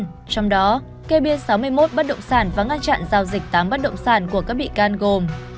trong đó kê biên sáu mươi một bắt động sản và ngăn chặn giao dịch tám bắt động sản của các bị can gồm